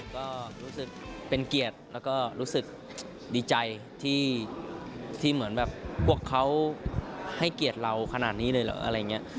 ก็รู้สึกเป็นเกียรติแล้วก็รู้สึกดีใจที่เหมือนแบบพวกเขาให้เกียรติเราขนาดนี้เลยเหรออะไรอย่างนี้